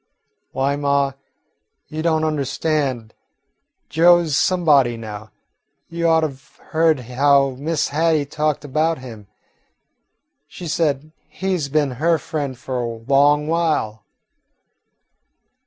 "Why, ma, you don't understand. Joe 's somebody now. You ought to 've heard how Miss Hattie talked about him. She said he 's been her friend for a long while."